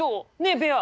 ベア。